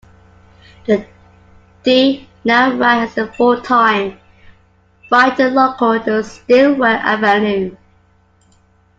The D now ran as the full-time Brighton Local to Stillwell Avenue.